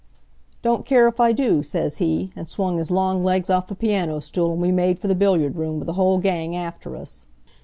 "'Don't care if I do,' says he, and swung his long legs off the piano stool and we made for the billiard room, with the whole gang after us.